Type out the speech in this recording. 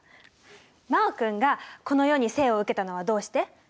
真旺君がこの世に生を受けたのはどうして？